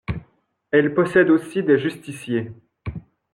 Elle possède aussi des justiciers.